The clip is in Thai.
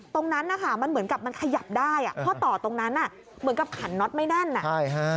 ตรงนั้นนะคะมันเหมือนกับมันขยับได้อ่ะข้อต่อตรงนั้นอ่ะเหมือนกับขันน็อตไม่แน่นอ่ะใช่ฮะ